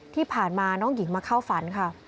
ที่ผ่านมาน้องหญิงมาเข้าฝันค่ะ